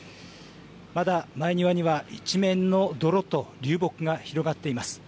まだ前庭には、一面の泥と流木が広がっています。